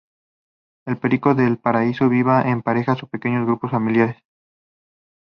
El perico del paraíso vivía en parejas o pequeños grupos familiares.